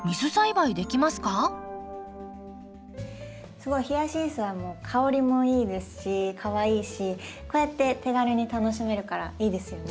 すごいヒヤシンスは香りもいいですしかわいいしこうやって手軽に楽しめるからいいですよね。